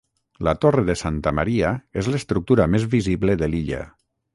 La torre de santa Maria és l'estructura més visible de l'illa.